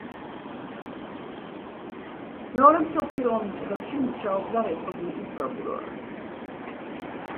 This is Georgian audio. მეორე მსოფლიო ომის წლებში მუშაობდა რესპუბლიკის პროკურორად.